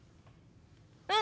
うん！